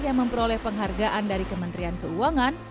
yang memperoleh penghargaan dari kementerian keuangan